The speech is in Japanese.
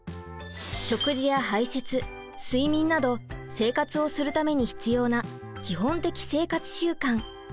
食事や排せつ睡眠など生活をするために必要な基本的生活習慣。